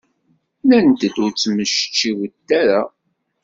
Nnant-d ur ttmectciwent ara.